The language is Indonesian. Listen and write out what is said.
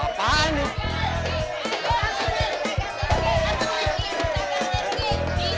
ditabrak anak situ